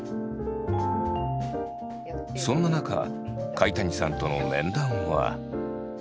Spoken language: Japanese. そんな中甲斐谷さんとの面談は。